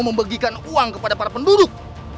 membagikan uang kepada para penduduk